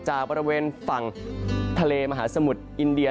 จากบริเวณฝั่งทะเลมหาสมุทรอินเดีย